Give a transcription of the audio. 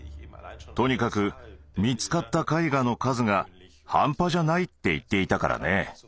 とにかく見つかった絵画の数が半端じゃないって言っていたからね。